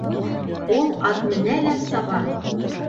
Ул ат менә лә саба!